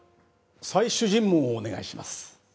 再主尋問をお願いします。